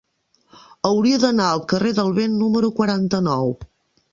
Hauria d'anar al carrer del Vent número quaranta-nou.